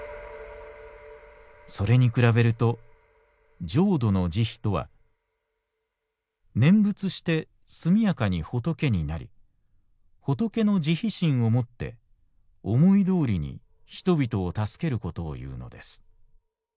「それに比べると浄土の慈悲とは念仏して速やかに仏になり仏の慈悲心をもって思いどおりに人々を助けることを言うのです」。